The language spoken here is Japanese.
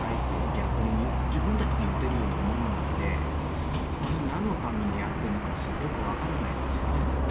逆に自分たちでいっているようなものなのでこれ、何のためにやっているのかよく分からないですね。